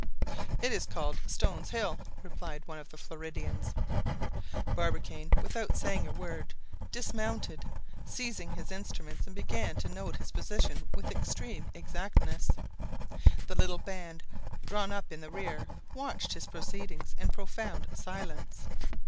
"It is called Stones Hill," replied one of the Floridans. Barbicane, without saying a word, dismounted, seized his instruments, and began to note his position with extreme exactness. The little band, drawn up in the rear, watched his proceedings in profound silence.